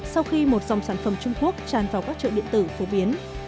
sau khi một dòng sản phẩm trung quốc tràn vào các chợ điện tử phổ biến